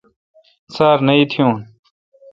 سار نہ اتییون۔